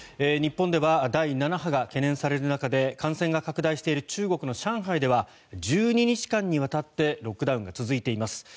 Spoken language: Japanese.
日本では第７波が懸念される中で感染が拡大している中国の上海では１２日間にわたってロックダウンが続いています。